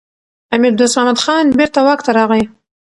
امیر دوست محمد خان بیرته واک ته راغی.